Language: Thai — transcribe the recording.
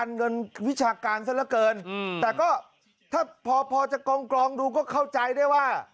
เงินวิชาการซะละเกินแต่ก็ถ้าพอพอจะกลองดูก็เข้าใจได้ว่า